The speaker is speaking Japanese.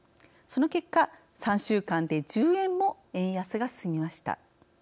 その結果、３週間で１０円も円安が進みました。